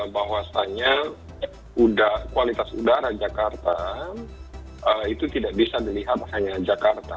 bahwasannya kualitas udara jakarta itu tidak bisa dilihat hanya jakarta